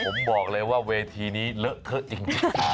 ผมบอกเลยว่าเวทีนี้เลอะเทอะจริง